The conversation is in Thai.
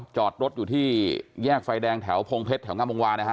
จอดรถอยู่ที่แยกไฟแดงแถวพงเพชรแถวงามวงวานะฮะ